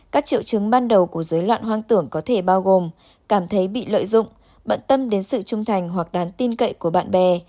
các triệu chứng ban đầu của dối loạn hoang tưởng có thể bao gồm cảm thấy bị lợi dụng bận tâm đến sự trung thành hoặc đáng tin cậy của bạn bè